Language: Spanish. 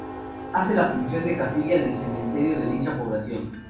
Hace la función de capilla del cementerio de dicha población.